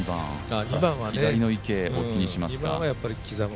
左の池を気にしますか。